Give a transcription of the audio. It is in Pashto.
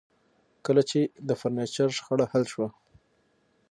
کله چې د فرنیچر شخړه حل شوه